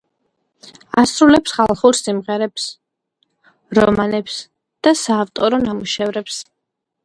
ასრულებს ხალხურ სიმღერებს, რომანსებს და საავტორო ნამუშევრებს.